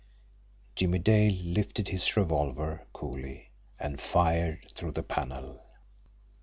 Jimmie Dale lifted his revolver coolly and fired through the panel.